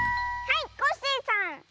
はいコッシーさん！